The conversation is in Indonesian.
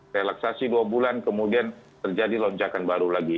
relaksasi dua bulan kemudian terjadi lonjakan baru lagi